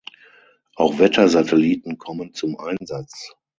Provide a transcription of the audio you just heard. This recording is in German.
Auch Wettersatelliten kommen zum Einsatz.